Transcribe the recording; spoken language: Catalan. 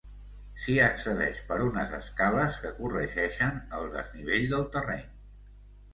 S'hi accedeix per unes escales que corregeixen el desnivell del terreny.